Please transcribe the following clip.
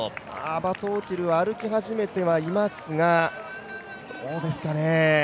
バトオチルは歩き始めてはいますが、どうですかね。